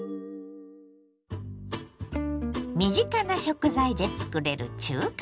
身近な食材でつくれる中華丼。